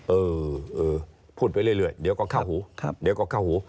เออเออคุณไปเรื่อยเดี๋ยวก็เข้าหู